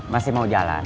masih mau jalan